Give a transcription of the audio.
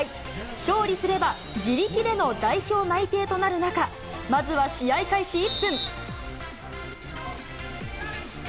勝利すれば、自力での代表内定となる中、まずは試合開始１分。